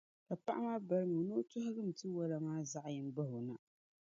Ka paɣa maa balimi o ni o tɔhigim tiwala maa zaɣʼ yini bahi o na.